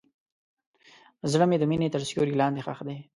زړه مې د مینې تر سیوري لاندې ښخ دی.